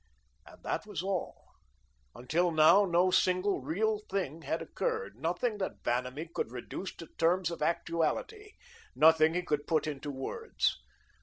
And that was all. Until now no single real thing had occurred, nothing that Vanamee could reduce to terms of actuality, nothing he could put into words.